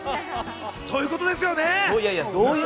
そういうことですね。